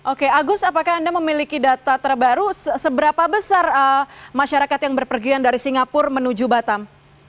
oke agus apakah anda memiliki data terbaru seberapa besar masyarakat yang berpergian dari singapura menuju batam